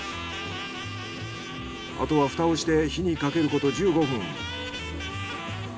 あとは蓋をして火にかけること１５分。